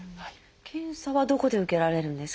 検査はどこで受けられるんですか？